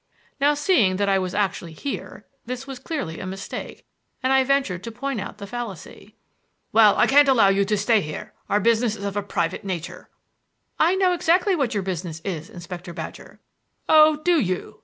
Now, seeing that I was actually here, this was clearly a mistake, and I ventured to point out the fallacy. "Well, I can't allow you to stay here. Our business is of a private nature." "I know exactly what your business is, Inspector Badger." "Oh, do you?"